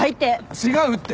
違うって！